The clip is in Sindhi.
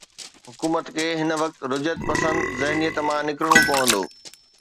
حڪومت کي هن وقت رجعت پسند ذهنيت مان نڪرڻو پوندو.